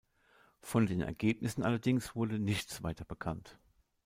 Von den Ergebnissen allerdings wurde nichts weiter bekannt.